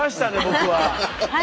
僕は。